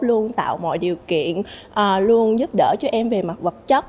luôn tạo mọi điều kiện luôn giúp đỡ cho em về mặt vật chất